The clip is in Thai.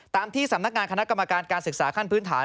ตามที่สำนักงานคณะกรรมการการศึกษาขั้นพื้นฐาน